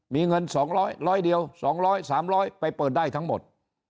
มีเงินสองร้อยร้อยเดียวสองร้อยสามร้อยไปเปิดได้ทั้งหมด